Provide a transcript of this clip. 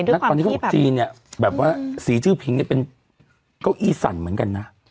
แล้วตอนนี้เขาบอกจีนเนี่ยแบบว่าสีชื่อผิงเนี่ยเป็นเก้าอี้สั่นเหมือนกันนะ